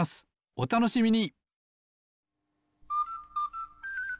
おたのしみに！